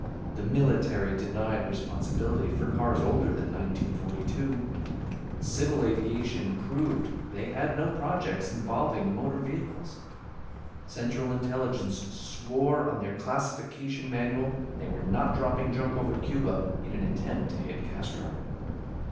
The military denied responsibility for cars older than 1942. Civil aviation proved they had no projects involving motor vehicles. Central Intelligence swore on their classification manual they were not dropping junk over Cuba in an attempt to hit Castro.